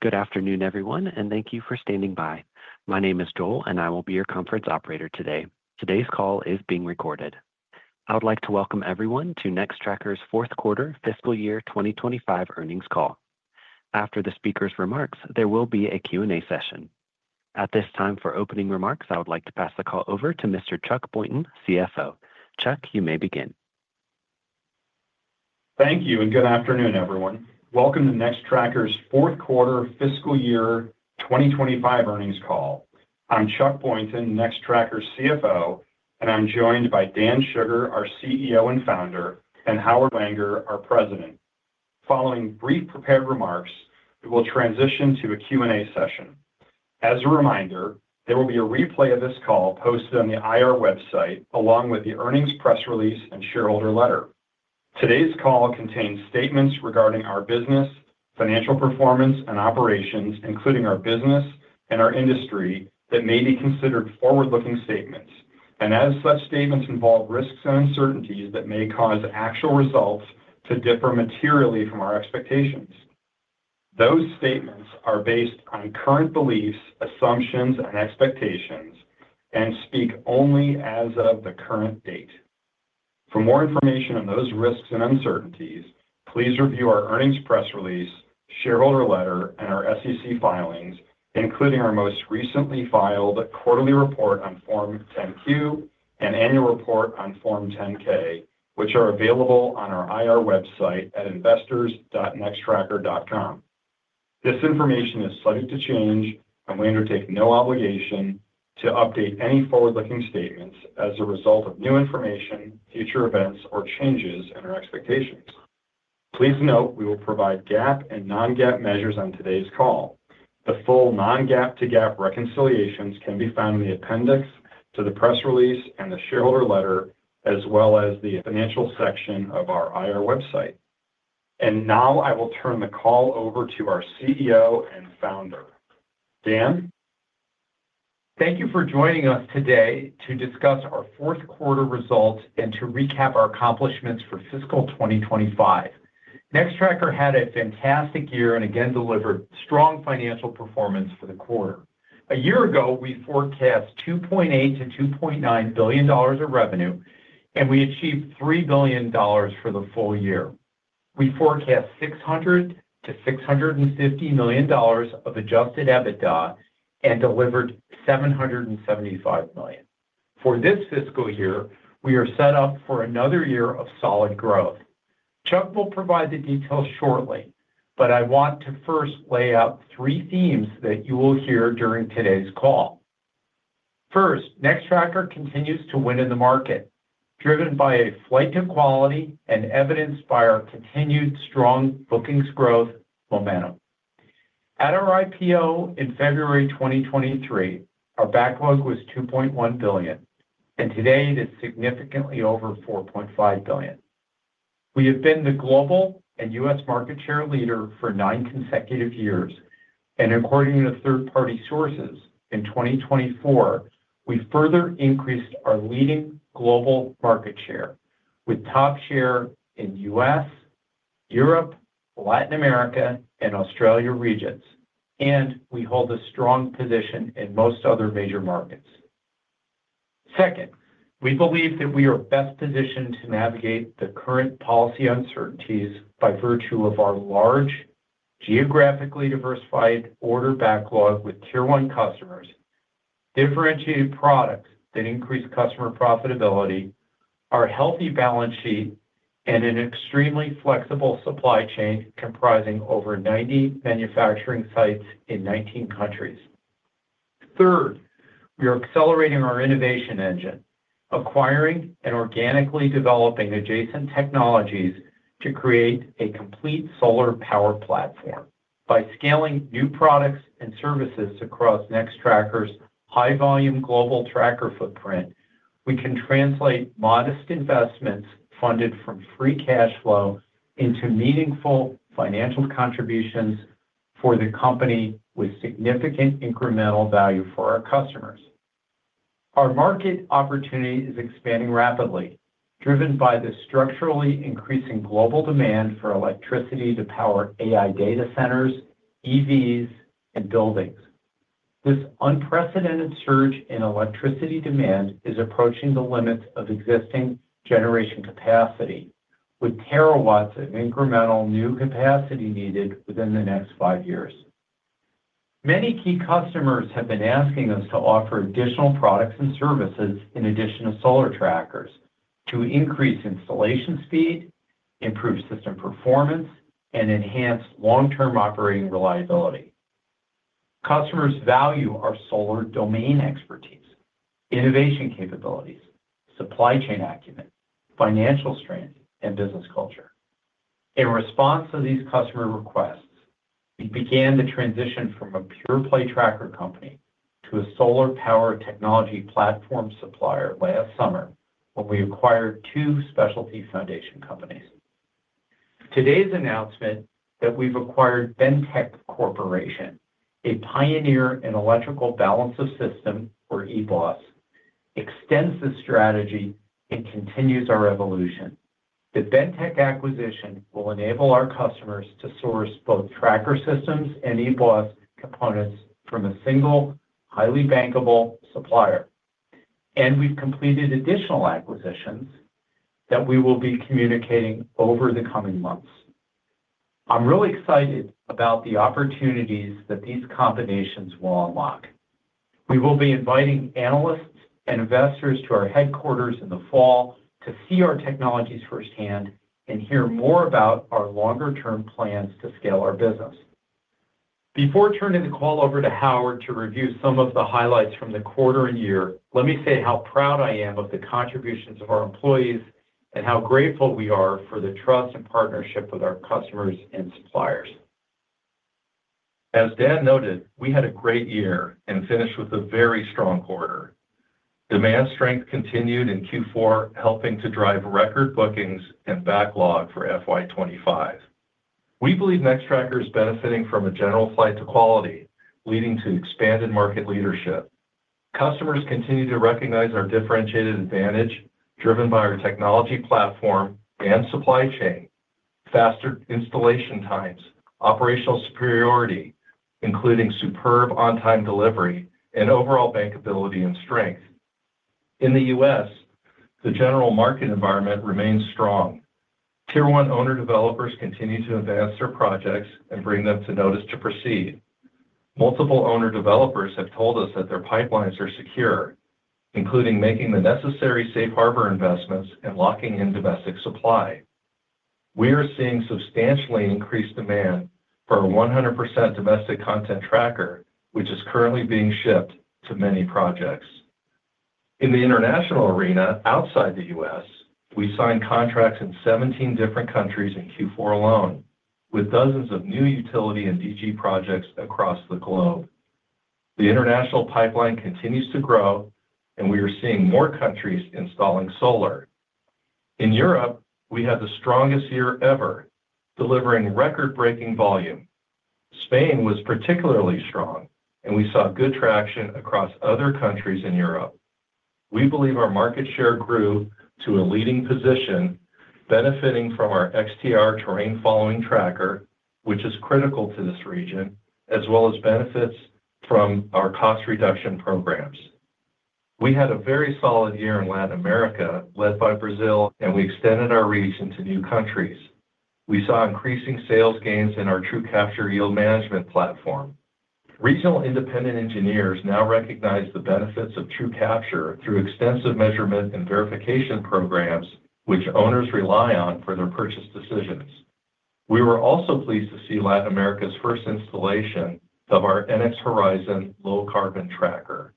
Good afternoon, everyone, and thank you for standing by. My name is Joel, and I will be your conference operator today. Today's call is being recorded. I would like to welcome everyone to Nextracker's fourth quarter fiscal year 2025 earnings call. After the speaker's remarks, there will be a Q&A session. At this time, for opening remarks, I would like to pass the call over to Mr. Chuck Boynton, CFO. Chuck, you may begin. Thank you, and good afternoon, everyone. Welcome to Nextracker's fourth quarter fiscal year 2025 earnings call. I'm Chuck Boynton, Nextracker's CFO, and I'm joined by Dan Shugar, our CEO and founder, and Howard Wenger, our president. Following brief prepared remarks, we will transition to a Q&A session. As a reminder, there will be a replay of this call posted on the IR website along with the earnings press release and shareholder letter. Today's call contains statements regarding our business, financial performance, and operations, including our business and our industry, that may be considered forward-looking statements, and as such statements involve risks and uncertainties that may cause actual results to differ materially from our expectations. Those statements are based on current beliefs, assumptions, and expectations, and speak only as of the current date. For more information on those risks and uncertainties, please review our earnings press release, shareholder letter, and our SEC filings, including our most recently filed quarterly report on Form 10-Q and annual report on Form 10-K, which are available on our IR website at investors.nextracker.com. This information is subject to change, and we undertake no obligation to update any forward-looking statements as a result of new information, future events, or changes in our expectations. Please note we will provide GAAP and non-GAAP measures on today's call. The full non-GAAP to GAAP reconciliations can be found in the appendix to the press release and the shareholder letter, as well as the financial section of our IR website. Now I will turn the call over to our CEO and founder. Dan? Thank you for joining us today to discuss our fourth quarter results and to recap our accomplishments for fiscal 2025. Nextracker had a fantastic year and again delivered strong financial performance for the quarter. A year ago, we forecast $2.8 billion-$2.9 billion of revenue, and we achieved $3 billion for the full year. We forecast $600 million-$650 million of adjusted EBITDA and delivered $775 million. For this fiscal year, we are set up for another year of solid growth. Chuck will provide the details shortly, but I want to first lay out three themes that you will hear during today's call. First, Nextracker continues to win in the market, driven by a flight to quality and evidenced by our continued strong bookings growth momentum. At our IPO in February 2023, our backlog was $2.1 billion, and today it is significantly over $4.5 billion. We have been the global and U.S. market share leader for nine consecutive years, and according to third-party sources, in 2024, we further increased our leading global market share, with top share in U.S., Europe, Latin America, and Australia regions, and we hold a strong position in most other major markets. Second, we believe that we are best positioned to navigate the current policy uncertainties by virtue of our large, geographically diversified order backlog with tier-one customers, differentiated products that increase customer profitability, our healthy balance sheet, and an extremely flexible supply chain comprising over 90 manufacturing sites in 19 countries. Third, we are accelerating our innovation engine, acquiring and organically developing adjacent technologies to create a complete solar power platform. By scaling new products and services across Nextracker's high-volume global tracker footprint, we can translate modest investments funded from free cash flow into meaningful financial contributions for the company with significant incremental value for our customers. Our market opportunity is expanding rapidly, driven by the structurally increasing global demand for electricity to power AI data centers, EVs, and buildings. This unprecedented surge in electricity demand is approaching the limits of existing generation capacity, with terawatts of incremental new capacity needed within the next five years. Many key customers have been asking us to offer additional products and services in addition to solar trackers to increase installation speed, improve system performance, and enhance long-term operating reliability. Customers value our solar domain expertise, innovation capabilities, supply chain acumen, financial strength, and business culture. In response to these customer requests, we began the transition from a pure-play tracker company to a solar power technology platform supplier last summer when we acquired two specialty foundation companies. Today's announcement that we've acquired Bentek Corporation, a pioneer in electrical balance of systems, or EBOS, extends the strategy and continues our evolution. The Bentek acquisition will enable our customers to source both tracker systems and EBOS components from a single, highly bankable supplier, and we've completed additional acquisitions that we will be communicating over the coming months. I'm really excited about the opportunities that these combinations will unlock. We will be inviting analysts and investors to our headquarters in the fall to see our technologies firsthand and hear more about our longer-term plans to scale our business. Before turning the call over to Howard to review some of the highlights from the quarter and year, let me say how proud I am of the contributions of our employees and how grateful we are for the trust and partnership with our customers and suppliers. As Dan noted, we had a great year and finished with a very strong quarter. Demand strength continued in Q4, helping to drive record bookings and backlog for FY25. We believe Nextracker is benefiting from a general flight to quality, leading to expanded market leadership. Customers continue to recognize our differentiated advantage driven by our technology platform and supply chain, faster installation times, operational superiority, including superb on-time delivery, and overall bankability and strength. In the U.S., the general market environment remains strong. Tier-one owner developers continue to advance their projects and bring them to notice to proceed. Multiple owner developers have told us that their pipelines are secure, including making the necessary safe harbor investments and locking in domestic supply. We are seeing substantially increased demand for our 100% domestic content tracker, which is currently being shipped to many projects. In the international arena outside the U.S., we signed contracts in 17 different countries in Q4 alone, with dozens of new utility and DG projects across the globe. The international pipeline continues to grow, and we are seeing more countries installing solar. In Europe, we had the strongest year ever, delivering record-breaking volume. Spain was particularly strong, and we saw good traction across other countries in Europe. We believe our market share grew to a leading position, benefiting from our XTR terrain-following tracker, which is critical to this region, as well as benefits from our cost reduction programs. We had a very solid year in Latin America led by Brazil, and we extended our reach into new countries. We saw increasing sales gains in our TrueCapture yield management platform. Regional independent engineers now recognize the benefits of TrueCapture through extensive measurement and verification programs, which owners rely on for their purchase decisions. We were also pleased to see Latin America's first installation of our NX Horizon Low-Carbon tracker.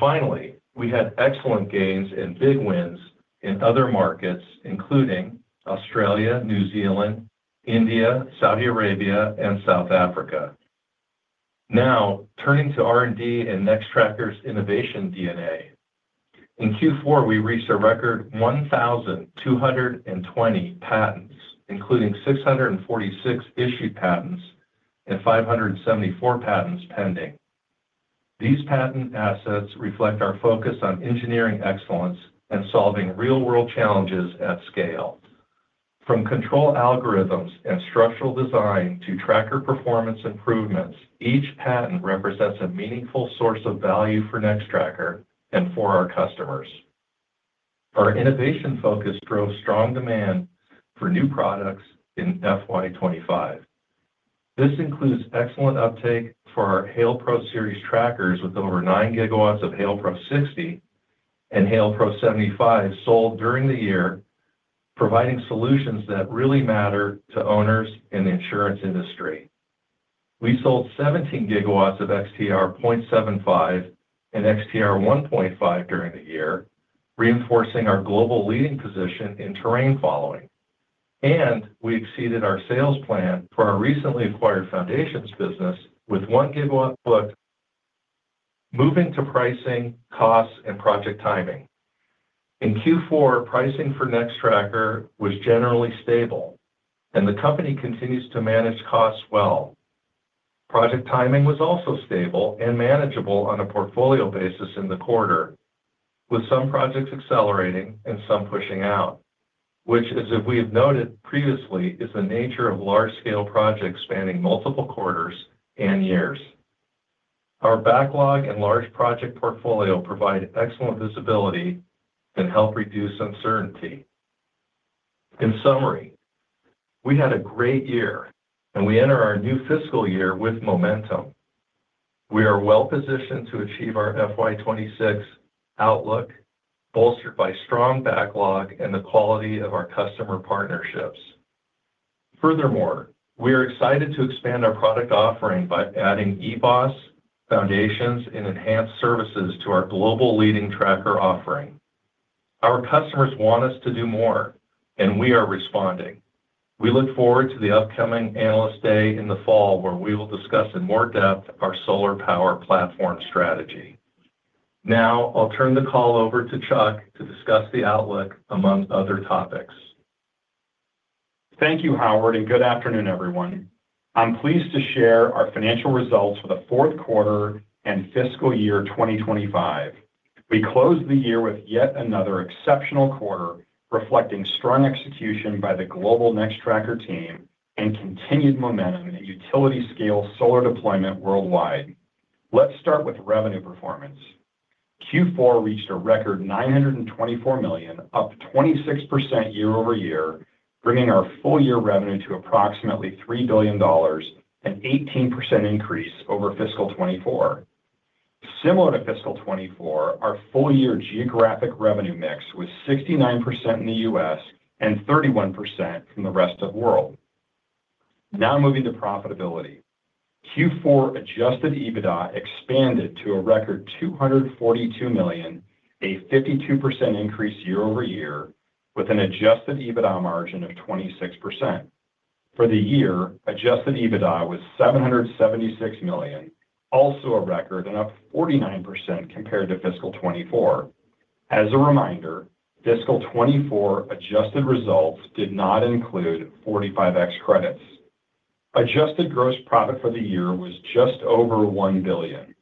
Finally, we had excellent gains and big wins in other markets, including Australia, New Zealand, India, Saudi Arabia, and South Africa. Now, turning to R&D and Nextracker's innovation DNA. In Q4, we reached a record 1,220 patents, including 646 issued patents and 574 patents pending. These patent assets reflect our focus on engineering excellence and solving real-world challenges at scale. From control algorithms and structural design to tracker performance improvements, each patent represents a meaningful source of value for Nextracker and for our customers. Our innovation focus drove strong demand for new products in 2025. This includes excellent uptake for our Hail Pro Series trackers with over 9 GW of Hail Pro 60 and Hail Pro 75 sold during the year, providing solutions that really matter to owners in the insurance industry. We sold 17 GW of NX Horizon-XTR 0.75 and NX Horizon-XTR 1.5 during the year, reinforcing our global leading position in terrain following. We exceeded our sales plan for our recently acquired foundations business with 1 GW booked, moving to pricing, costs, and project timing. In Q4, pricing for Nextracker was generally stable, and the company continues to manage costs well. Project timing was also stable and manageable on a portfolio basis in the quarter, with some projects accelerating and some pushing out, which, as we have noted previously, is the nature of large-scale projects spanning multiple quarters and years. Our backlog and large project portfolio provide excellent visibility and help reduce uncertainty. In summary, we had a great year, and we enter our new fiscal year with momentum. We are well positioned to achieve our FY26 outlook, bolstered by strong backlog and the quality of our customer partnerships. Furthermore, we are excited to expand our product offering by adding EBOS, foundations, and enhanced services to our global leading tracker offering. Our customers want us to do more, and we are responding. We look forward to the upcoming analyst day in the fall, where we will discuss in more depth our solar power platform strategy. Now, I'll turn the call over to Chuck to discuss the outlook among other topics. Thank you, Howard, and good afternoon, everyone. I'm pleased to share our financial results for the fourth quarter and fiscal year 2025. We closed the year with yet another exceptional quarter, reflecting strong execution by the global Nextracker team and continued momentum in utility-scale solar deployment worldwide. Let's start with revenue performance. Q4 reached a record $924 million, up 26% year over year, bringing our full-year revenue to approximately $3 billion, an 18% increase over fiscal 2024. Similar to fiscal 2024, our full-year geographic revenue mix was 69% in the U.S. and 31% from the rest of the world. Now, moving to profitability. Q4 adjusted EBITDA expanded to a record $242 million, a 52% increase year over year, with an adjusted EBITDA margin of 26%. For the year, adjusted EBITDA was $776 million, also a record and up 49% compared to fiscal 2024. As a reminder, fiscal 2024 adjusted results did not include 45X credits. Adjusted gross profit for the year was just over $1 billion.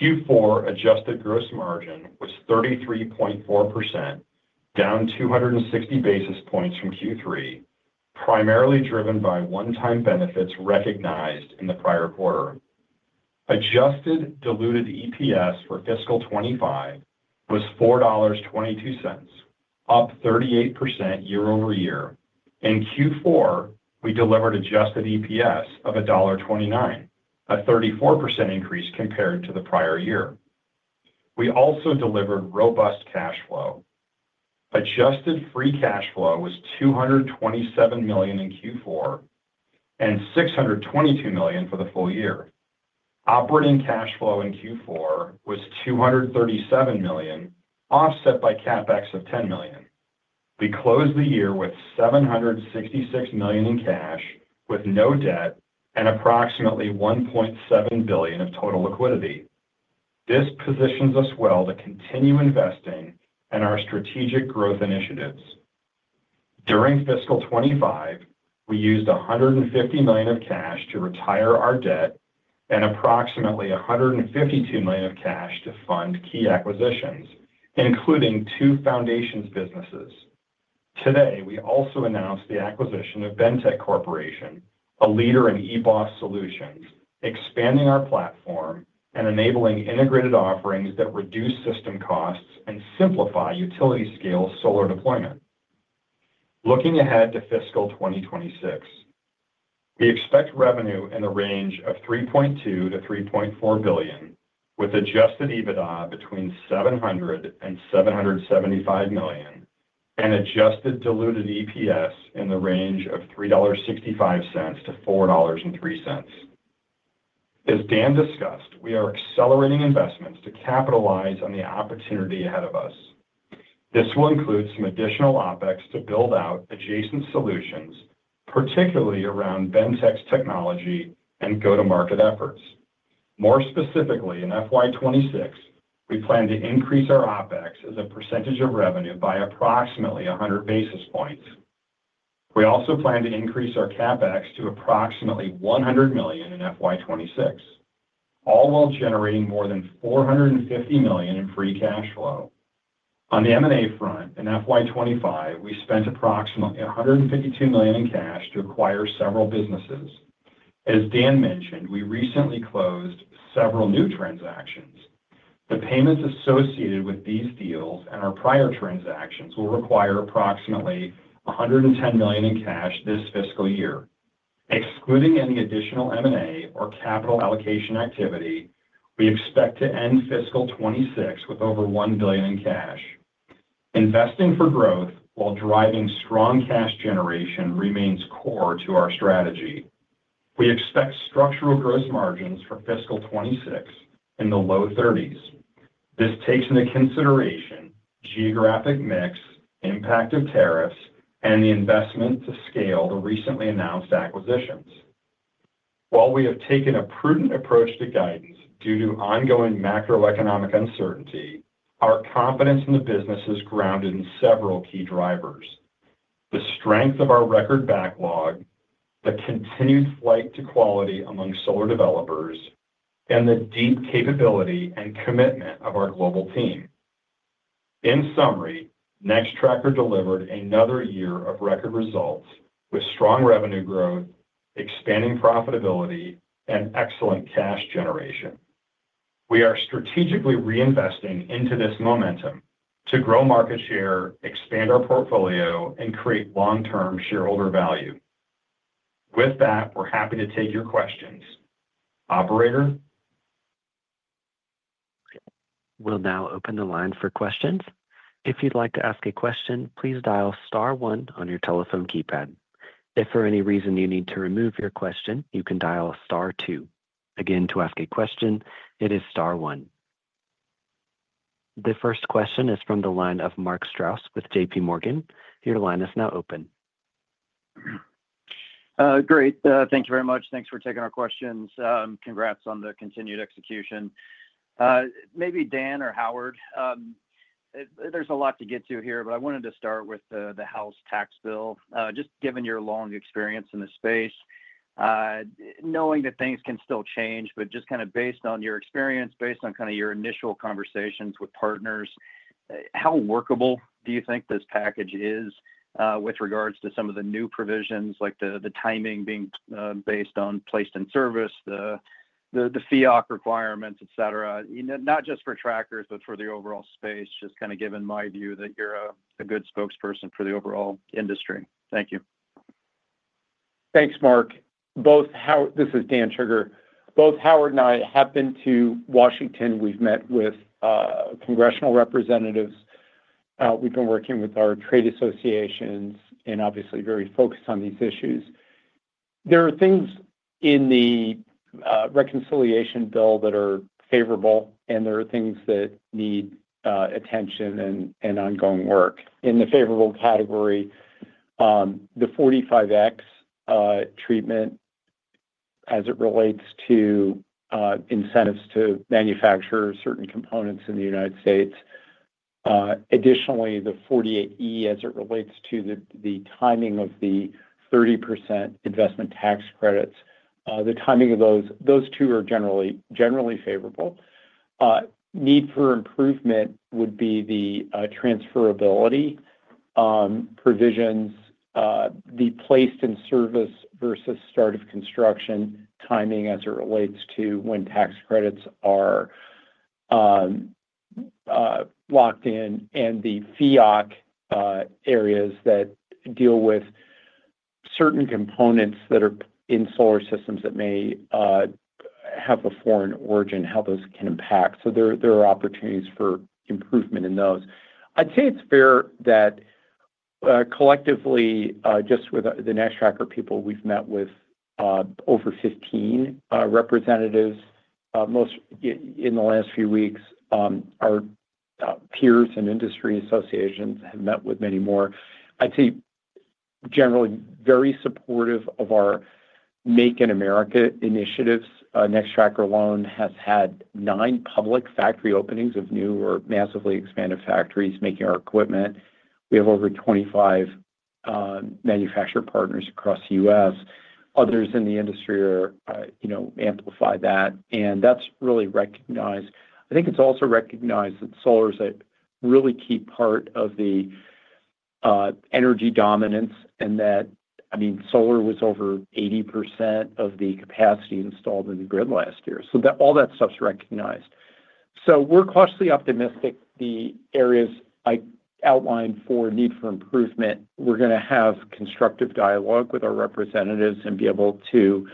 Q4 adjusted gross margin was 33.4%, down 260 basis points from Q3, primarily driven by one-time benefits recognized in the prior quarter. Adjusted diluted EPS for fiscal 2025 was $4.22, up 38% year over year. In Q4, we delivered adjusted EPS of $1.29, a 34% increase compared to the prior year. We also delivered robust cash flow. Adjusted free cash flow was $227 million in Q4 and $622 million for the full year. Operating cash flow in Q4 was $237 million, offset by CapEx of $10 million. We closed the year with $766 million in cash, with no debt and approximately $1.7 billion of total liquidity. This positions us well to continue investing in our strategic growth initiatives. During fiscal 2025, we used $150 million of cash to retire our debt and approximately $152 million of cash to fund key acquisitions, including two foundations businesses. Today, we also announced the acquisition of Bentek Corporation, a leader in EBOS solutions, expanding our platform and enabling integrated offerings that reduce system costs and simplify utility-scale solar deployment. Looking ahead to fiscal 2026, we expect revenue in the range of $3.2 billion-$3.4 billion, with adjusted EBITDA between $700 million and $775 million, and adjusted diluted EPS in the range of $3.65-$4.03. As Dan discussed, we are accelerating investments to capitalize on the opportunity ahead of us. This will include some additional OpEx to build out adjacent solutions, particularly around Bentek's technology and go-to-market efforts. More specifically, in FY26, we plan to increase our OpEx as a percentage of revenue by approximately 100 basis points. We also plan to increase our CapEx to approximately $100 million in FY26, all while generating more than $450 million in free cash flow. On the M&A front, in FY25, we spent approximately $152 million in cash to acquire several businesses. As Dan mentioned, we recently closed several new transactions. The payments associated with these deals and our prior transactions will require approximately $110 million in cash this fiscal year. Excluding any additional M&A or capital allocation activity, we expect to end fiscal 2026 with over $1 billion in cash. Investing for growth while driving strong cash generation remains core to our strategy. We expect structural gross margins for fiscal 2026 in the low 30%. This takes into consideration geographic mix, impact of tariffs, and the investment to scale the recently announced acquisitions. While we have taken a prudent approach to guidance due to ongoing macroeconomic uncertainty, our confidence in the business is grounded in several key drivers: the strength of our record backlog, the continued flight to quality among solar developers, and the deep capability and commitment of our global team. In summary, Nextracker delivered another year of record results with strong revenue growth, expanding profitability, and excellent cash generation. We are strategically reinvesting into this momentum to grow market share, expand our portfolio, and create long-term shareholder value. With that, we're happy to take your questions. Operator? We'll now open the line for questions. If you'd like to ask a question, please dial star one on your telephone keypad. If for any reason you need to remove your question, you can dial star two. Again, to ask a question, it is star one. The first question is from the line of Mark Strouse with JPMorgan. Your line is now open. Great. Thank you very much. Thanks for taking our questions. Congrats on the continued execution. Maybe Dan or Howard. There is a lot to get to here, but I wanted to start with the HAL's tax bill. Just given your long experience in the space, knowing that things can still change, but just kind of based on your experience, based on kind of your initial conversations with partners, how workable do you think this package is with regards to some of the new provisions, like the timing being based on placed in service, the fiat requirements, et cetera, not just for trackers, but for the overall space, just kind of given my view that you are a good spokesperson for the overall industry. Thank you. Thanks, Mark. Both Howard—this is Dan Shugar—both Howard and I have been to Washington. We've met with congressional representatives. We've been working with our trade associations and obviously very focused on these issues. There are things in the reconciliation bill that are favorable, and there are things that need attention and ongoing work. In the favorable category, the Section 45X treatment as it relates to incentives to manufacture certain components in the U.S. Additionally, the Section 48E as it relates to the timing of the 30% investment tax credits. The timing of those two are generally favorable. Need for improvement would be the transferability provisions, the placed in service versus start of construction timing as it relates to when tax credits are locked in, and the FEOC areas that deal with certain components that are in solar systems that may have a foreign origin, how those can impact. There are opportunities for improvement in those. I'd say it's fair that collectively, just with the Nextracker people, we've met with over 15 representatives in the last few weeks. Our peers and industry associations have met with many more. I'd say generally very supportive of our Make in America initiatives. Nextracker alone has had nine public factory openings of new or massively expanded factories making our equipment. We have over 25 manufacturer partners across the U.S. Others in the industry amplify that, and that's really recognized. I think it's also recognized that solar is a really key part of the energy dominance and that, I mean, solar was over 80% of the capacity installed in the grid last year. All that stuff's recognized. We're cautiously optimistic. The areas I outlined for need for improvement, we're going to have constructive dialogue with our representatives and be able to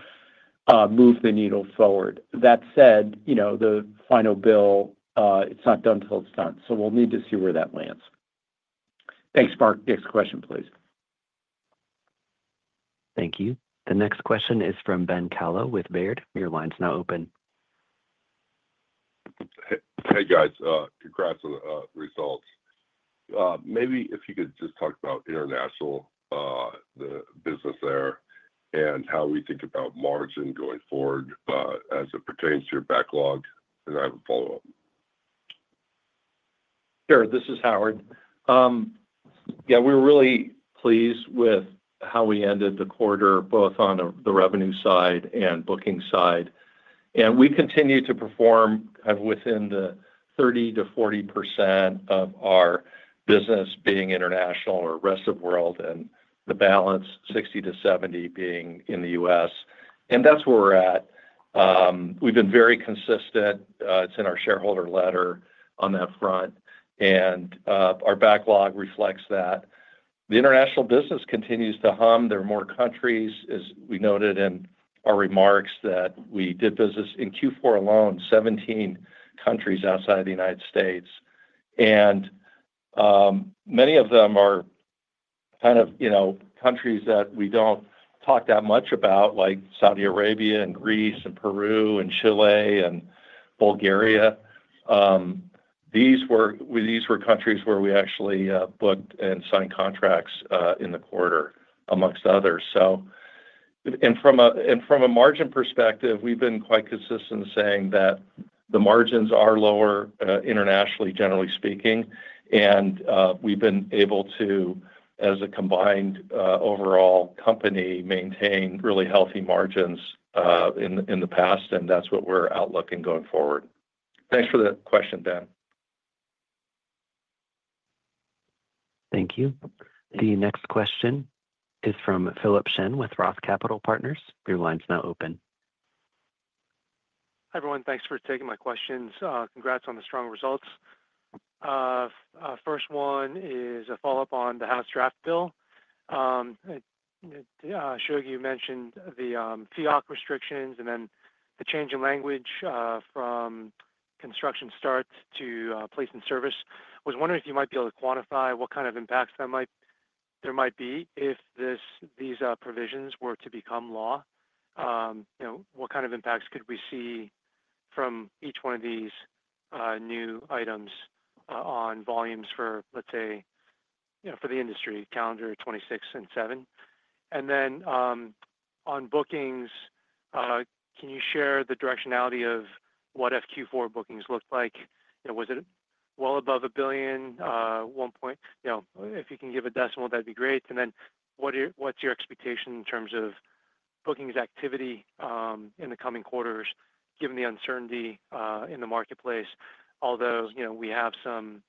move the needle forward. That said, the final bill, it's not done till it's done. We will need to see where that lands. Thanks, Mark. Next question, please. Thank you. The next question is from Ben Kallo with Baird. Your line's now open. Hey, guys. Congrats on the results. Maybe if you could just talk about international business there and how we think about margin going forward as it pertains to your backlog, and I have a follow-up. Sure. This is Howard. Yeah, we were really pleased with how we ended the quarter, both on the revenue side and booking side. We continue to perform kind of within the 30%-40% of our business being international or rest of world, and the balance, 60%-70%, being in the U.S. That is where we are at. We have been very consistent. It is in our shareholder letter on that front, and our backlog reflects that. The international business continues to hum. There are more countries, as we noted in our remarks, that we did business in Q4 alone, 17 countries outside the United States. Many of them are kind of countries that we do not talk that much about, like Saudi Arabia and Greece and Peru and Chile and Bulgaria. These were countries where we actually booked and signed contracts in the quarter, amongst others. From a margin perspective, we've been quite consistent in saying that the margins are lower internationally, generally speaking, and we've been able to, as a combined overall company, maintain really healthy margins in the past, and that's what we're outlooking going forward. Thanks for the question, Dan. Thank you. The next question is from Philip Shen with Roth Capital Partners. Your line's now open. Hi, everyone. Thanks for taking my questions. Congrats on the strong results. First one is a follow-up on the HAL's draft bill. I showed you mentioned the fiat restrictions and then the change in language from construction start to placed in service. I was wondering if you might be able to quantify what kind of impacts there might be if these provisions were to become law. What kind of impacts could we see from each one of these new items on volumes for, let's say, for the industry, calendar 2026 and 2027? And then on bookings, can you share the directionality of what FQ4 bookings looked like? Was it well above $1 billion? If you can give a decimal, that'd be great. What is your expectation in terms of bookings activity in the coming quarters, given the uncertainty in the marketplace, although we have some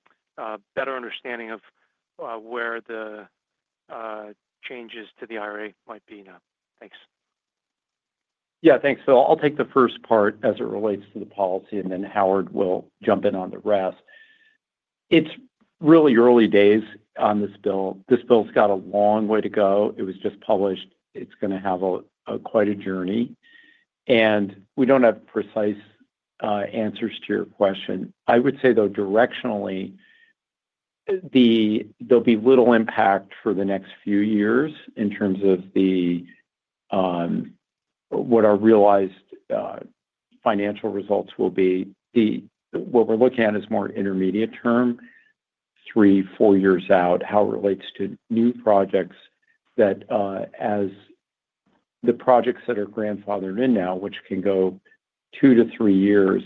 better understanding of where the changes to the IRA might be now? Thanks. Yeah, thanks. I'll take the first part as it relates to the policy, and then Howard will jump in on the rest. It's really early days on this bill. This bill's got a long way to go. It was just published. It's going to have quite a journey. We don't have precise answers to your question. I would say, though, directionally, there'll be little impact for the next few years in terms of what our realized financial results will be. What we're looking at is more intermediate term, three, four years out, how it relates to new projects that, as the projects that are grandfathered in now, which can go two to three years,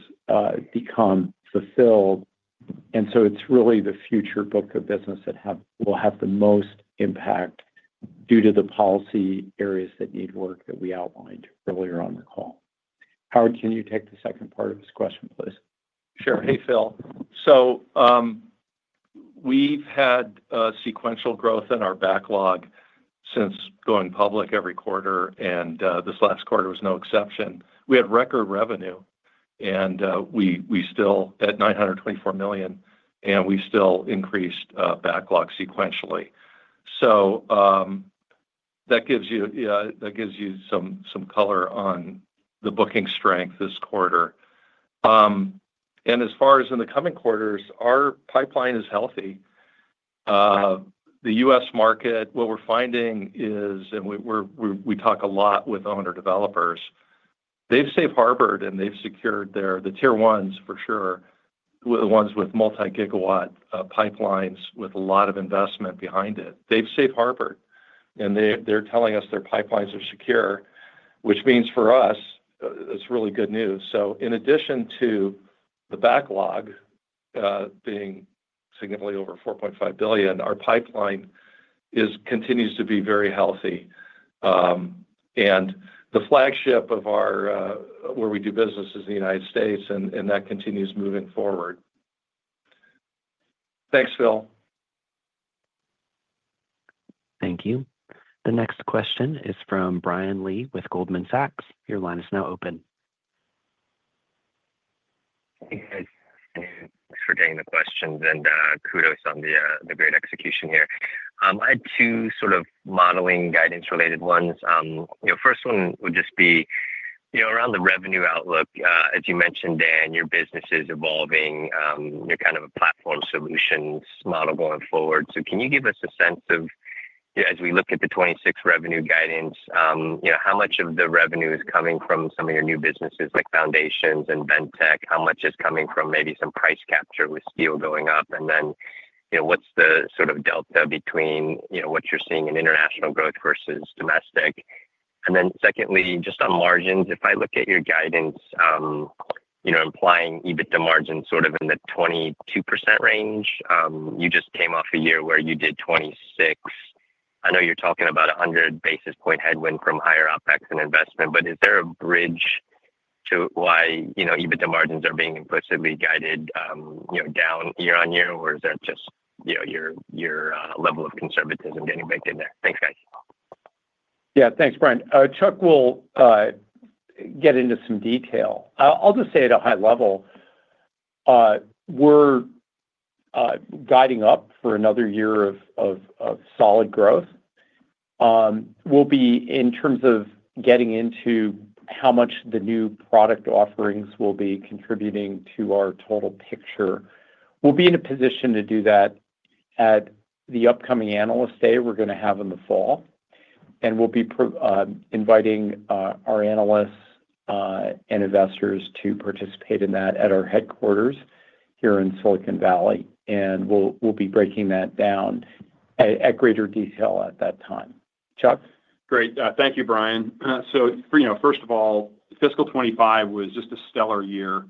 become fulfilled. It's really the future book of business that will have the most impact due to the policy areas that need work that we outlined earlier on the call. Howard, can you take the second part of this question, please? Sure. Hey, Phil. We have had sequential growth in our backlog since going public every quarter, and this last quarter was no exception. We had record revenue, and we still had $924 million, and we still increased backlog sequentially. That gives you some color on the booking strength this quarter. As far as in the coming quarters, our pipeline is healthy. The U.S. market, what we are finding is, and we talk a lot with owner developers, they have safe harbored and they have secured their—the tier ones for sure—the ones with multi-GW pipelines with a lot of investment behind it. They have safe harbored, and they are telling us their pipelines are secure, which means for us, it is really good news. In addition to the backlog being significantly over $4.5 billion, our pipeline continues to be very healthy. The flagship of where we do business is the U.S., and that continues moving forward. Thanks, Phil. Thank you. The next question is from Brian Lee with Goldman Sachs. Your line is now open. Hey, guys. Thanks for getting the questions, and kudos on the great execution here. I had two sort of modeling guidance-related ones. The first one would just be around the revenue outlook. As you mentioned, Dan, your business is evolving. You're kind of a platform solutions model going forward. Can you give us a sense of, as we look at the 2026 revenue guidance, how much of the revenue is coming from some of your new businesses like foundations and Bentek? How much is coming from maybe some price capture with steel going up? And then what's the sort of delta between what you're seeing in international growth versus domestic? Secondly, just on margins, if I look at your guidance, implying EBITDA margin sort of in the 22% range, you just came off a year where you did 26%. I know you're talking about 100 basis point headwind from higher OpEx and investment, but is there a bridge to why EBITDA margins are being implicitly guided down year on year, or is that just your level of conservatism getting baked in there? Thanks, guys. Yeah, thanks, Brian. Chuck will get into some detail. I'll just say at a high level, we're guiding up for another year of solid growth. We'll be in terms of getting into how much the new product offerings will be contributing to our total picture. We'll be in a position to do that at the upcoming analyst day we're going to have in the fall. We'll be inviting our analysts and investors to participate in that at our headquarters here in Silicon Valley. We'll be breaking that down at greater detail at that time. Chuck? Great. Thank you, Brian. First of all, fiscal 2025 was just a stellar year.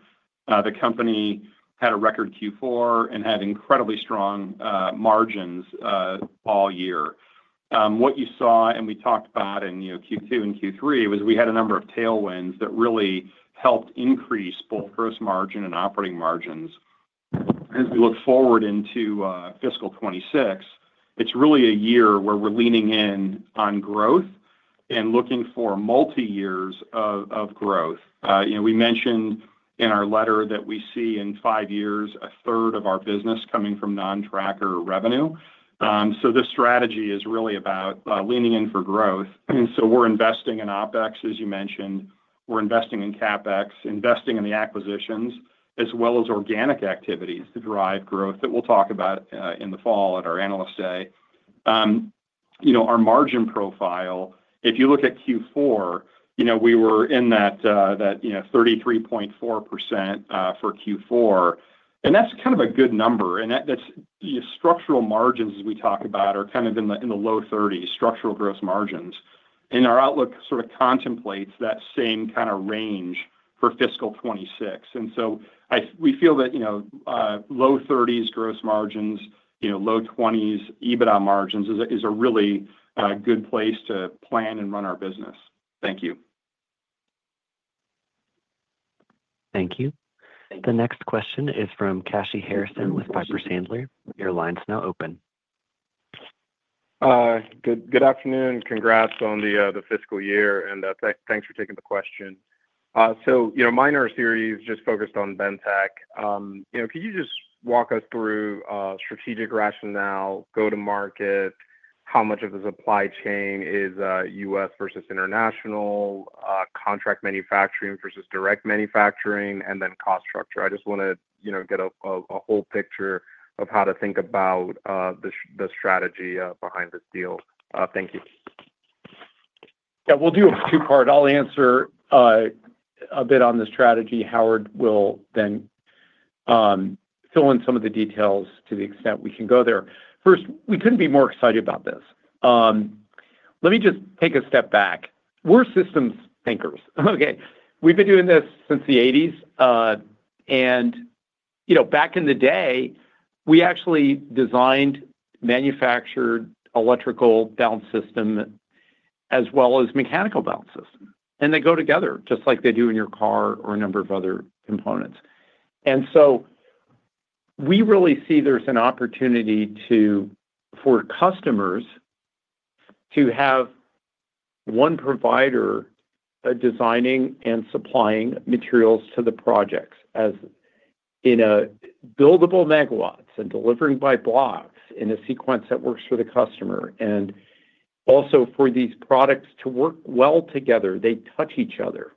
The company had a record Q4 and had incredibly strong margins all year. What you saw, and we talked about in Q2 and Q3, was we had a number of tailwinds that really helped increase both gross margin and operating margins. As we look forward into fiscal 2026, it is really a year where we are leaning in on growth and looking for multi-years of growth. We mentioned in our letter that we see in five years a third of our business coming from non-tracker revenue. This strategy is really about leaning in for growth. We are investing in OpEx, as you mentioned. We are investing in CapEx, investing in the acquisitions, as well as organic activities to drive growth that we will talk about in the fall at our analyst day. Our margin profile, if you look at Q4, we were in that 33.4% for Q4. That is kind of a good number. Structural margins, as we talk about, are kind of in the low 30s, structural gross margins. Our outlook sort of contemplates that same kind of range for fiscal 2026. We feel that low 30s gross margins, low 20s EBITDA margins is a really good place to plan and run our business. Thank you. Thank you. The next question is from Kashy Harrison with Piper Sandler. Your line's now open. Good afternoon. Congrats on the fiscal year. Thanks for taking the question. My NERSC series just focused on Bentek. Could you just walk us through strategic rationale, go-to-market, how much of the supply chain is U.S. versus international, contract manufacturing versus direct manufacturing, and then cost structure? I just want to get a whole picture of how to think about the strategy behind this deal. Thank you. Yeah, we'll do a two-part. I'll answer a bit on the strategy. Howard will then fill in some of the details to the extent we can go there. First, we couldn't be more excited about this. Let me just take a step back. We're systems thinkers. Okay. We've been doing this since the 1980s. Back in the day, we actually designed, manufactured electrical balance of system as well as mechanical balance of system. They go together just like they do in your car or a number of other components. We really see there's an opportunity for customers to have one provider designing and supplying materials to the projects in buildable megawatts and delivering by blocks in a sequence that works for the customer. Also, for these products to work well together, they touch each other.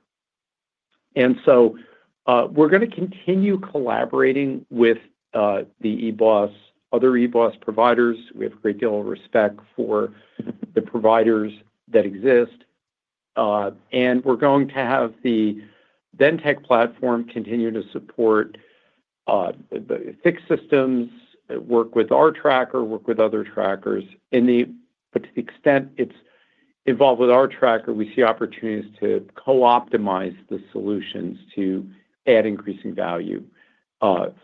We're going to continue collaborating with the EBOS, other EBOS providers. We have a great deal of respect for the providers that exist. We're going to have the Bentek platform continue to support fixed systems, work with our tracker, work with other trackers. To the extent it's involved with our tracker, we see opportunities to co-optimize the solutions to add increasing value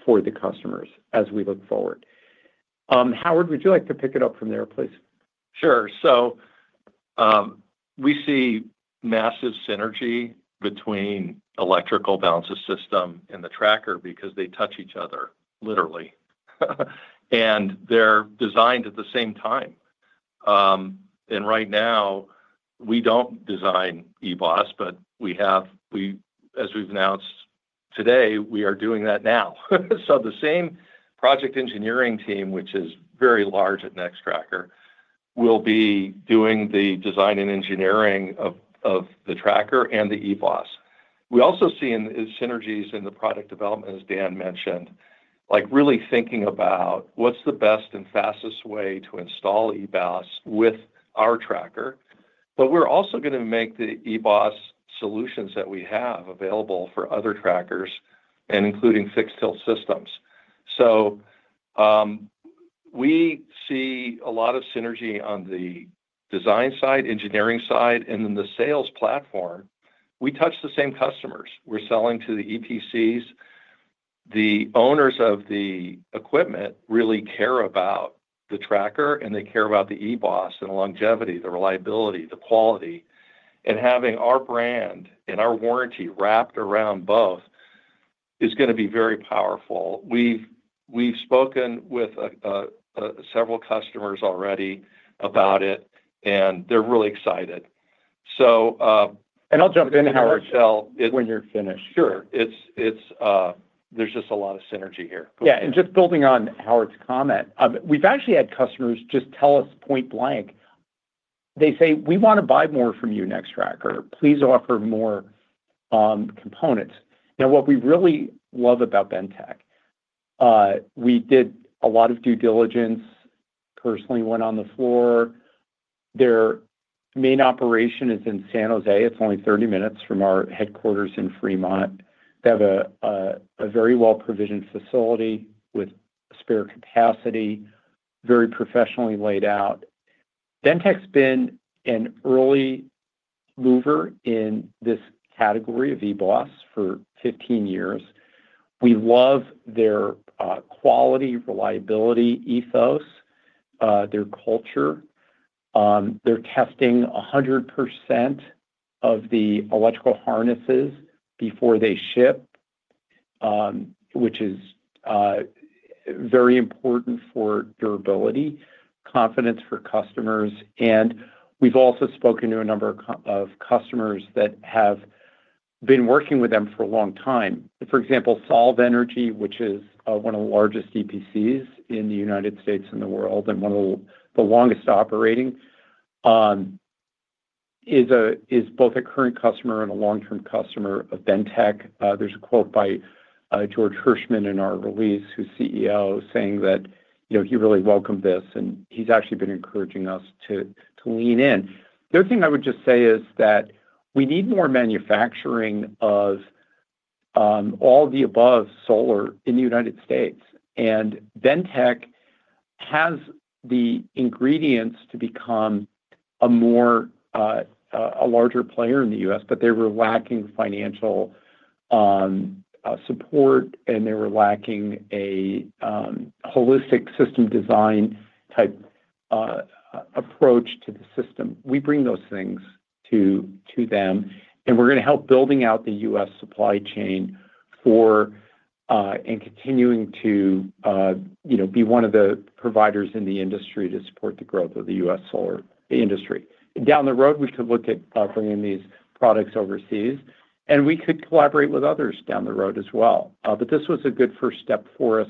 for the customers as we look forward. Howard, would you like to pick it up from there, please? Sure. We see massive synergy between electrical balance of system and the tracker because they touch each other, literally. They are designed at the same time. Right now, we do not design EBOS, but as we have announced today, we are doing that now. The same project engineering team, which is very large at Nextracker, will be doing the design and engineering of the tracker and the EBOS. We also see synergies in the product development, as Dan mentioned, like really thinking about what is the best and fastest way to install EBOS with our tracker. We are also going to make the EBOS solutions that we have available for other trackers, including fixed tilt systems. We see a lot of synergy on the design side, engineering side, and then the sales platform. We touch the same customers. We are selling to the EPCs. The owners of the equipment really care about the tracker, and they care about the EBOS and the longevity, the reliability, the quality. Having our brand and our warranty wrapped around both is going to be very powerful. We've spoken with several customers already about it, and they're really excited. I'll jump in, Howard. When you're finished. Sure. There's just a lot of synergy here. Yeah. And just building on Howard's comment, we've actually had customers just tell us point blank. They say, "We want to buy more from you, Nextracker. Please offer more components." Now, what we really love about Bentek, we did a lot of due diligence, personally went on the floor. Their main operation is in San Jose. It's only 30 minutes from our headquarters in Fremont. They have a very well-provisioned facility with spare capacity, very professionally laid out. Bentek's been an early mover in this category of EBOS for 15 years. We love their quality, reliability ethos, their culture. They're testing 100% of the electrical harnesses before they ship, which is very important for durability, confidence for customers. And we've also spoken to a number of customers that have been working with them for a long time. For example, Solve Energy, which is one of the largest EPCs in the U.S. and the world and one of the longest operating, is both a current customer and a long-term customer of Bentek. There is a quote by George Hirschman in our release, who is CEO, saying that he really welcomed this, and he has actually been encouraging us to lean in. The other thing I would just say is that we need more manufacturing of all the above solar in the U.S. Bentek has the ingredients to become a larger player in the U.S., but they were lacking financial support, and they were lacking a holistic system design type approach to the system. We bring those things to them, and we are going to help building out the U.S. Supply chain and continuing to be one of the providers in the industry to support the growth of the U.S. solar industry. Down the road, we could look at bringing these products overseas, and we could collaborate with others down the road as well. This was a good first step for us.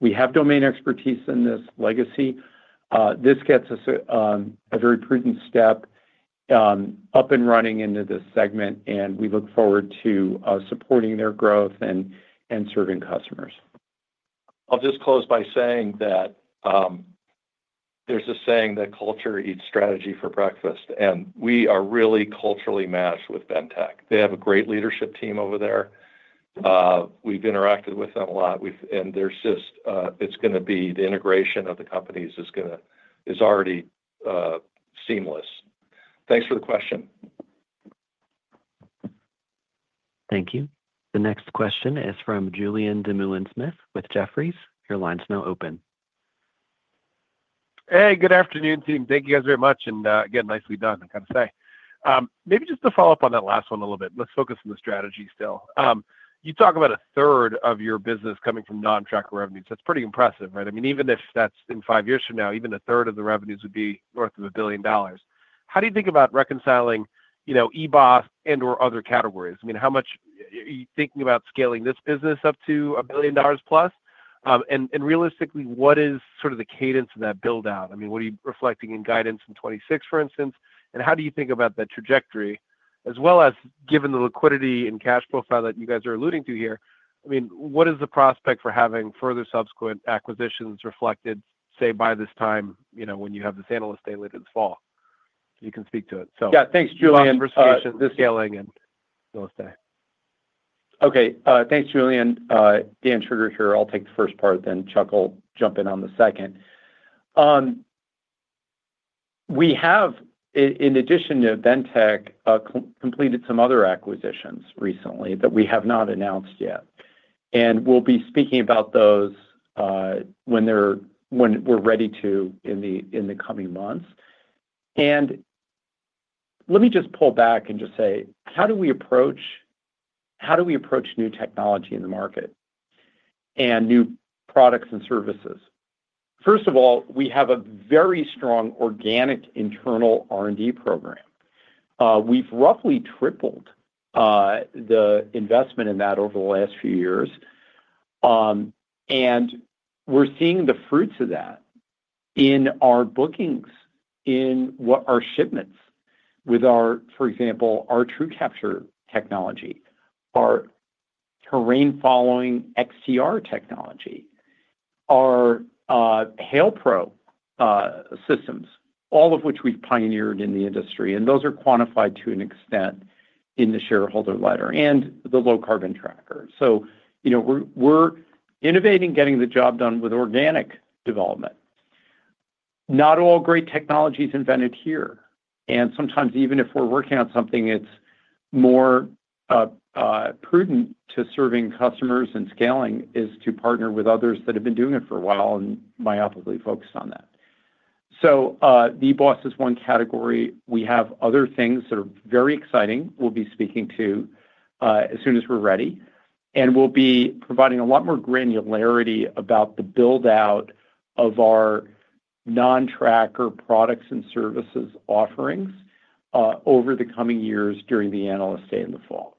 We have domain expertise in this legacy. This gets us a very prudent step up and running into this segment, and we look forward to supporting their growth and serving customers. I'll just close by saying that there's a saying that culture eats strategy for breakfast, and we are really culturally matched with Bentek. They have a great leadership team over there. We've interacted with them a lot, and the integration of the companies is already seamless. Thanks for the question. Thank you. The next question is from Julien Dumoulin-Smith with Jefferies. Your line's now open. Hey, good afternoon, team. Thank you guys very much. Again, nicely done, I got to say. Maybe just to follow up on that last one a little bit, let's focus on the strategy still. You talk about a third of your business coming from non-tracker revenues. That's pretty impressive, right? I mean, even if that's in five years from now, even a third of the revenues would be north of $1 billion. How do you think about reconciling EBOS and/or other categories? I mean, how much are you thinking about scaling this business up to $1 billion+? Realistically, what is sort of the cadence of that build-out? I mean, what are you reflecting in guidance in 2026, for instance? How do you think about that trajectory? As well as given the liquidity and cash profile that you guys are alluding to here, I mean, what is the prospect for having further subsequent acquisitions reflected, say, by this time when you have this analyst day later this fall? You can speak to it, so. Yeah. Thanks, Julien. This scaling and real estate. Okay. Thanks, Julien. Dan Shugar here. I'll take the first part, then Chuck will jump in on the second. We have, in addition to Bentek, completed some other acquisitions recently that we have not announced yet. We will be speaking about those when we're ready to in the coming months. Let me just pull back and just say, how do we approach new technology in the market and new products and services? First of all, we have a very strong organic internal R&D program. We've roughly tripled the investment in that over the last few years. We're seeing the fruits of that in our bookings, in our shipments, with, for example, our TrueCapture technology, our terrain-following XTR technology, our Hail Pro systems, all of which we've pioneered in the industry. Those are quantified to an extent in the shareholder letter and the low-carbon tracker. We're innovating, getting the job done with organic development. Not all great technology is invented here. Sometimes, even if we're working on something that's more prudent to serving customers and scaling, it is to partner with others that have been doing it for a while and myopically focused on that. The EBOS is one category. We have other things that are very exciting. We'll be speaking to those as soon as we're ready. We'll be providing a lot more granularity about the build-out of our non-tracker products and services offerings over the coming years during the analyst day in the fall.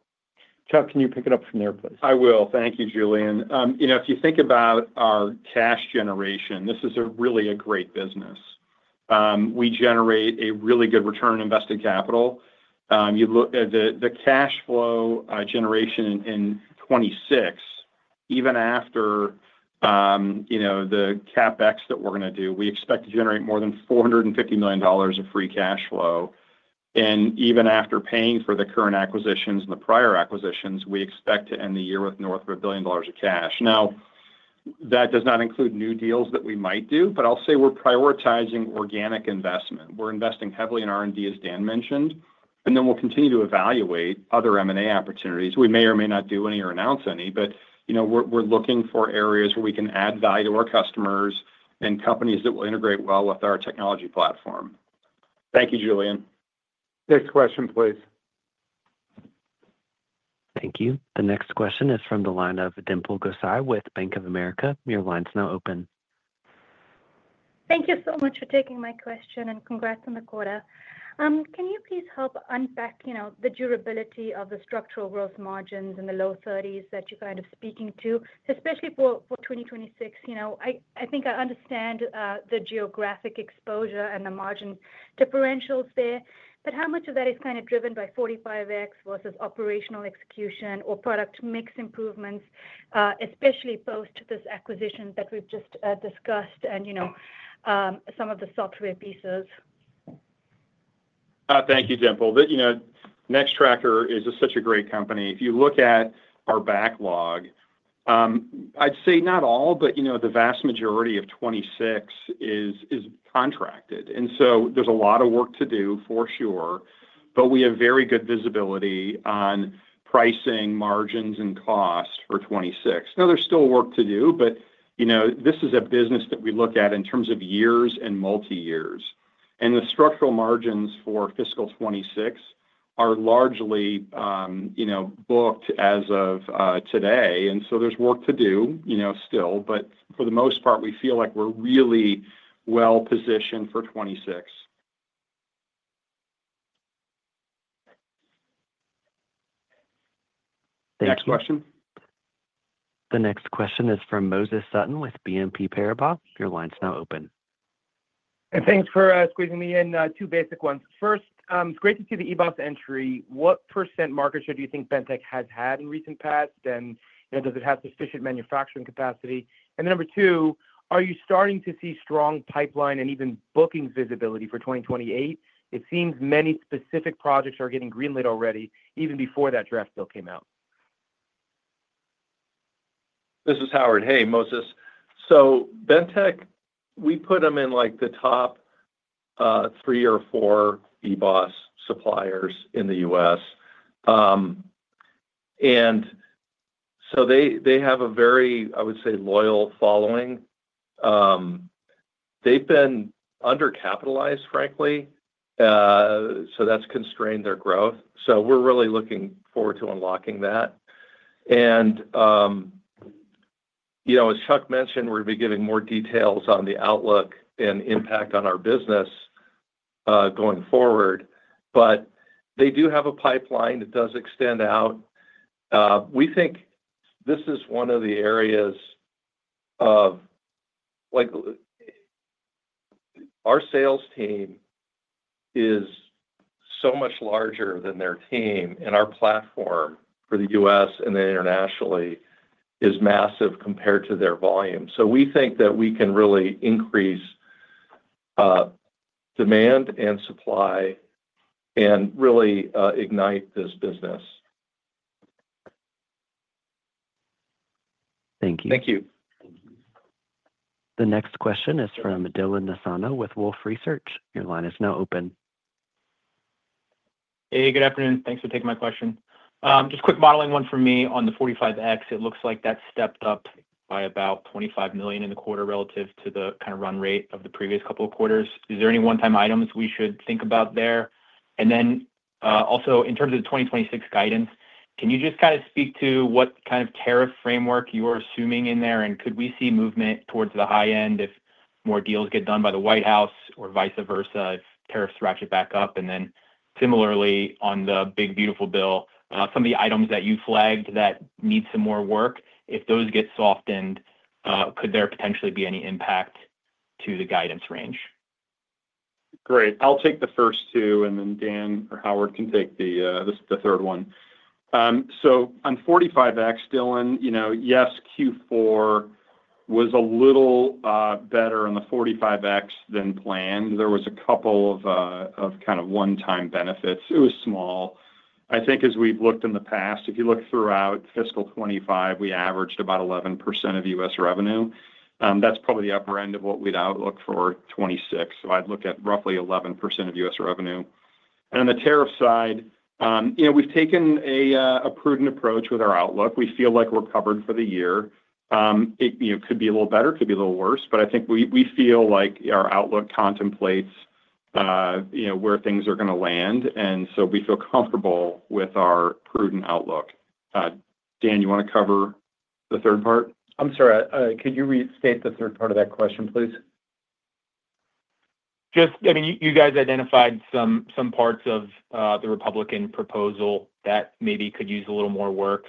Chuck, can you pick it up from there, please? I will. Thank you, Julien. If you think about our cash generation, this is really a great business. We generate a really good return on invested capital. The cash flow generation in 2026, even after the CapEx that we are going to do, we expect to generate more than $450 million of free cash flow. Even after paying for the current acquisitions and the prior acquisitions, we expect to end the year with north of $1 billion of cash. That does not include new deals that we might do, but I'll say we are prioritizing organic investment. We are investing heavily in R&D, as Dan mentioned. We will continue to evaluate other M&A opportunities. We may or may not do any or announce any, but we are looking for areas where we can add value to our customers and companies that will integrate well with our technology platform. Thank you, Julien. Next question, please. Thank you. The next question is from the line of Dimple Gosai with Bank of America. Your line's now open. Thank you so much for taking my question and congrats on the quota. Can you please help unpack the durability of the structural growth margins and the low 30% that you're kind of speaking to, especially for 2026? I think I understand the geographic exposure and the margin differentials there, but how much of that is kind of driven by 45X versus operational execution or product mix improvements, especially post this acquisition that we've just discussed and some of the software pieces? Thank you, Dimple. Nextracker is such a great company. If you look at our backlog, I'd say not all, but the vast majority of 2026 is contracted. There is a lot of work to do, for sure, but we have very good visibility on pricing, margins, and cost for 2026. Now, there is still work to do, but this is a business that we look at in terms of years and multi-years. The structural margins for fiscal 2026 are largely booked as of today. There is work to do still, but for the most part, we feel like we're really well positioned for 2026. Next question. The next question is from Moses Sutton with BNP Paribas. Your line's now open. Thanks for squeezing me in. Two basic ones. First, it's great to see the EBOS entry. What % market share do you think Nextracker has had in recent past? Does it have sufficient manufacturing capacity? Number two, are you starting to see strong pipeline and even booking visibility for 2028? It seems many specific projects are getting greenlit already, even before that draft bill came out. This is Howard. Hey, Moses. So Bentek, we put them in the top three or four EBOS suppliers in the U.S. They have a very, I would say, loyal following. They've been undercapitalized, frankly, so that's constrained their growth. We're really looking forward to unlocking that. As Chuck mentioned, we're going to be giving more details on the outlook and impact on our business going forward. They do have a pipeline that does extend out. We think this is one of the areas where our sales team is so much larger than their team, and our platform for the U.S. and then internationally is massive compared to their volume. We think that we can really increase demand and supply and really ignite this business. Thank you. Thank you. The next question is from Dylan Nassano with Wolfe Research. Your line is now open. Hey, good afternoon. Thanks for taking my question. Just quick modeling one for me on the 45X. It looks like that stepped up by about $25 million in the quarter relative to the kind of run rate of the previous couple of quarters. Is there any one-time items we should think about there? Also, in terms of the 2026 guidance, can you just kind of speak to what kind of tariff framework you're assuming in there? Could we see movement towards the high end if more deals get done by the White House or vice versa if tariffs ratchet back up? Similarly, on the big beautiful bill, some of the items that you flagged that need some more work, if those get softened, could there potentially be any impact to the guidance range? Great. I'll take the first two, and then Dan or Howard can take the third one. On 45X, Dylan, yes, Q4 was a little better on the 45X than planned. There was a couple of kind of one-time benefits. It was small. I think as we've looked in the past, if you look throughout fiscal 2025, we averaged about 11% of U.S. revenue. That's probably the upper end of what we'd outlook for 2026. I'd look at roughly 11% of U.S. revenue. On the tariff side, we've taken a prudent approach with our outlook. We feel like we're covered for the year. It could be a little better, could be a little worse, but I think we feel like our outlook contemplates where things are going to land. We feel comfortable with our prudent outlook. Dan, you want to cover the third part? I'm sorry. Could you restate the third part of that question, please? I mean, you guys identified some parts of the Republican proposal that maybe could use a little more work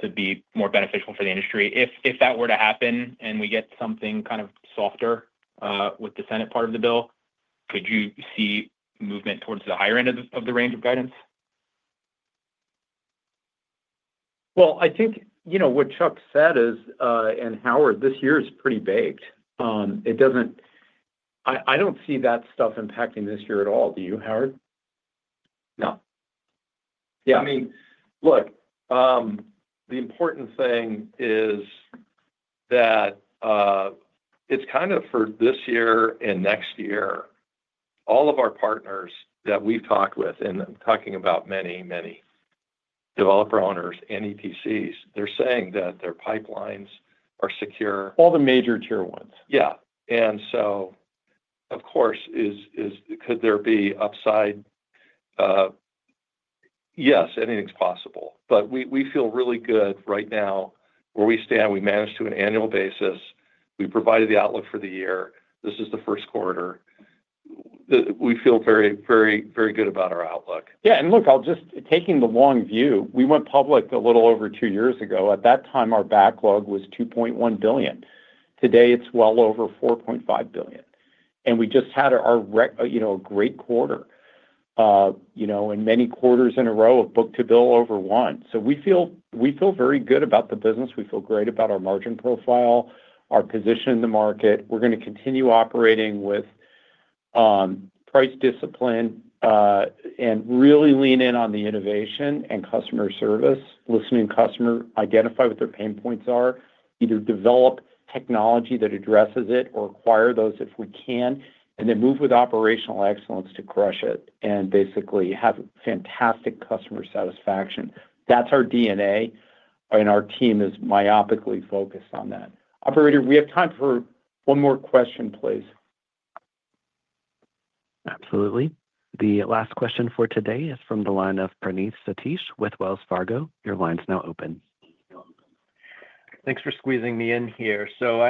to be more beneficial for the industry. If that were to happen and we get something kind of softer with the Senate part of the bill, could you see movement towards the higher end of the range of guidance? I think what Chuck said is, and Howard, this year is pretty baked. I do not see that stuff impacting this year at all. Do you, Howard? No. Yeah. I mean, look, the important thing is that it's kind of for this year and next year, all of our partners that we've talked with, and I'm talking about many, many developer owners and EPCs, they're saying that their pipelines are secure. All the major tier ones. Yeah. Of course, could there be upside? Yes, anything's possible. We feel really good right now where we stand. We managed to, on an annual basis, we provided the outlook for the year. This is the first quarter. We feel very, very good about our outlook. Yeah. Look, taking the long view, we went public a little over two years ago. At that time, our backlog was $2.1 billion. Today, it's well over $4.5 billion. We just had a great quarter and many quarters in a row of book to bill over one. We feel very good about the business. We feel great about our margin profile, our position in the market. We're going to continue operating with price discipline and really lean in on the innovation and customer service, listening to customers, identify what their pain points are, either develop technology that addresses it or acquire those if we can, and then move with operational excellence to crush it and basically have fantastic customer satisfaction. That's our DNA, and our team is myopically focused on that. Operator, we have time for one more question, please. Absolutely. The last question for today is from the line of Praneeth Satish with Wells Fargo. Your line's now open. Thanks for squeezing me in here.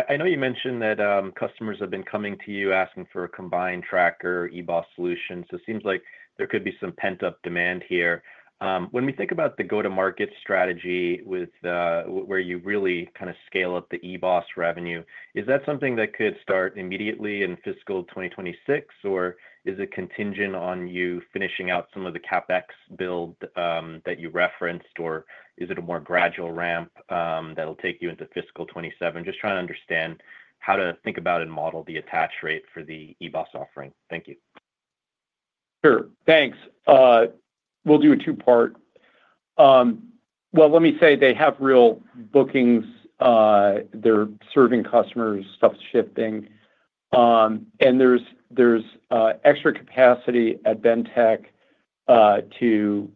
I know you mentioned that customers have been coming to you asking for a combined tracker EBOS solution. It seems like there could be some pent-up demand here. When we think about the go-to-market strategy where you really kind of scale up the EBOS revenue, is that something that could start immediately in fiscal 2026, or is it contingent on you finishing out some of the CapEx build that you referenced, or is it a more gradual ramp that'll take you into fiscal 2027? Just trying to understand how to think about and model the attach rate for the EBOS offering. Thank you. Sure. Thanks. We'll do a two-part. Let me say they have real bookings. They're serving customers, stuff shifting. And there's extra capacity at Bentek to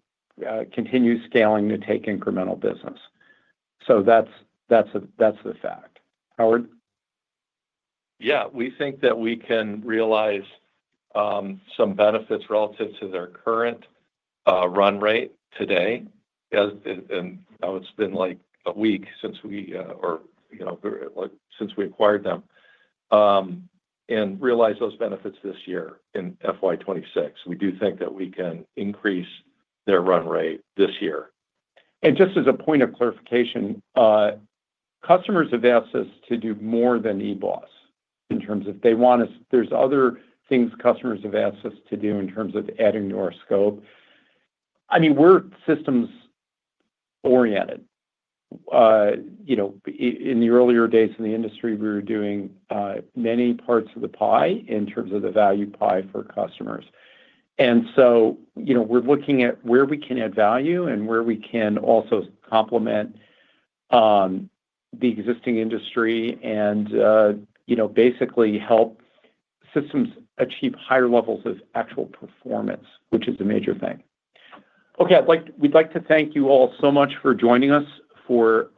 continue scaling to take incremental business. So that's the fact. Howard? Yeah. We think that we can realize some benefits relative to their current run rate today. It has been like a week since we acquired them and realize those benefits this year in fiscal year 2026. We do think that we can increase their run rate this year. Just as a point of clarification, customers have asked us to do more than EBOS in terms of they want us. There are other things customers have asked us to do in terms of adding to our scope. I mean, we're systems-oriented. In the earlier days in the industry, we were doing many parts of the pie in terms of the value pie for customers. We are looking at where we can add value and where we can also complement the existing industry and basically help systems achieve higher levels of actual performance, which is a major thing. Okay. We'd like to thank you all so much for joining us for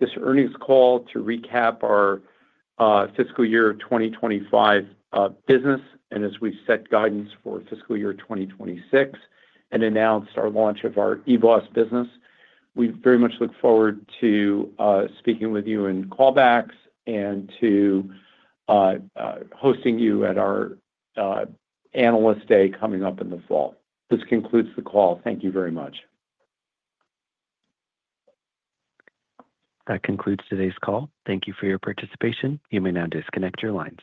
this earnings call to recap our fiscal year 2025 business. As we set guidance for fiscal year 2026 and announced our launch of our EBOS business, we very much look forward to speaking with you in callbacks and to hosting you at our Analyst Day coming up in the fall. This concludes the call. Thank you very much. That concludes today's call. Thank you for your participation. You may now disconnect your lines.